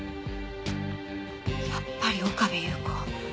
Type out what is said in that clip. やっぱり岡部祐子。